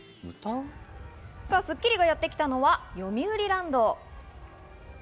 『スッキリ』がやってきたのはよみうりランド。